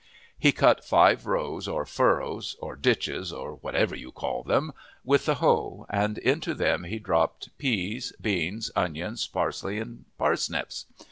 He cut five rows, or furrows, or ditches, or whatever you call them, with the hoe, and into them he dropped peas, beans, onions, parsley, and parsnips.